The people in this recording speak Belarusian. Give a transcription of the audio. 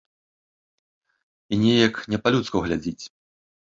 І нейк не па-людску глядзіць.